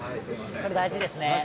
これ大事ですね。